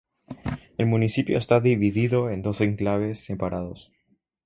El municipio está dividido en dos enclaves separados.